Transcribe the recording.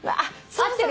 合ってる。